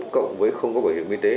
cộng với không có bảo hiểm y tế